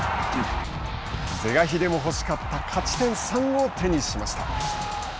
是が非でも欲しかった勝ち点３を手にしました。